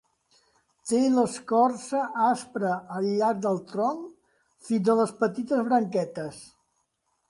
Té l'escorça aspra al llarg del tronc fins a les petites branquetes.